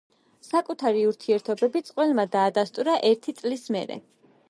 საკუთარი ურთიერთობები წყვილმა დაადასტურა ერთი წლის მერე.